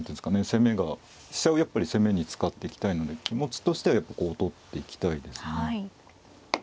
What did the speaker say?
攻めが飛車をやっぱり攻めに使っていきたいので気持ちとしてはやっぱこう取っていきたいですね。